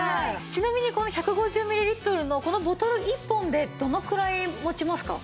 ちなみにこの１５０ミリリットルのこのボトル１本でどのくらい持ちますか？